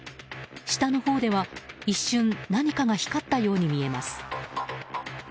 下のほうでは一瞬何かが光ったように見えます。